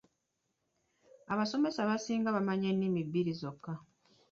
Abasomesa abasinga bamanyi ennimi bbiri zokka